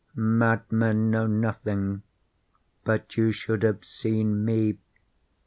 Madmen know nothing. But you should have seen me.